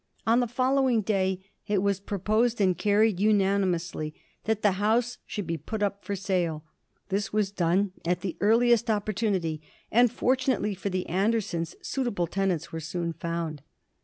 On the following day it was proposed, and carried unanimously, that the house should be put up for sale. This was done at the earliest opportunity, and fortunately for the Andersons suitable tenants were soon found.